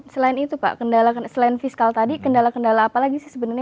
selain itu pak selain fiskal tadi kendala kendala apa lagi sih sebenarnya